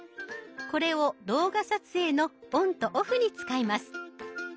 これを動画撮影のオンとオフに使います。